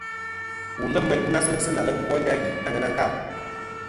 Wù lem meyn nkunasɨ sɨ na leŋ woynda ghì a aŋena ntal.